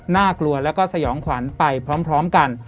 น่ากลัวแล้วก็สยองขวัญไปพร้อมกัน